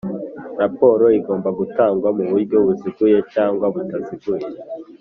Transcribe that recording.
Raporo igomba gutangwa mu buryo buziguye cyangwa butaziguye